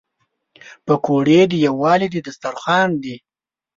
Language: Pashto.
پکورې د یووالي دسترخوان دي